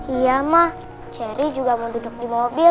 iya ma cherry juga mau duduk di mobil